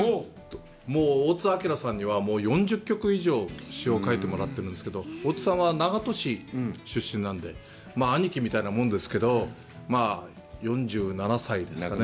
もう大津あきらさんには４０曲以上、詞を書いてもらってるんですけど、大津さんは長門市出身なんで、兄貴みたいなもんですけど、４７歳ですかね。